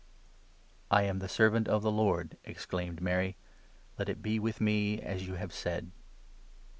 " I am the servant of the Lord," exclaimed Mary ;" let it be 38 with me as you have said."